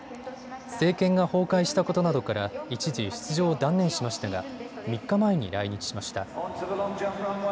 政権が崩壊したことなどから一時出場を断念しましたが３日前に来日しました。